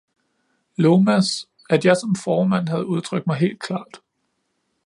Lomas, at jeg som formand havde udtrykt mig helt klart.